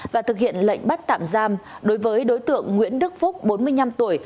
và thực hiện lệnh bắt tạm giam đối với đối tượng nguyễn đức phúc bốn mươi năm tuổi